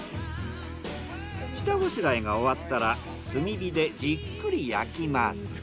下ごしらえが終わったら炭火でじっくり焼きます。